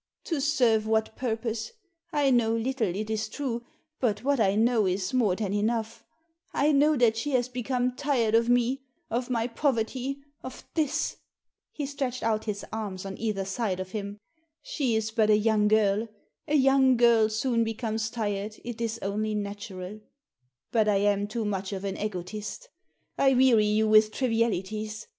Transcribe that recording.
" To serve what purpose ? I know little, it is true, but what I know is more than enough. I know that Digitized by VjOOQIC i86 THE SEEN AND THE UNSEEN she has become tired of me— of my poverty, of this.*' He stretched out his arms on either side of him. " She is but a young girl ; a young girl soon becomes tired, it is only natiuaL But I am too much of an ^^tist I weary you with trivialities.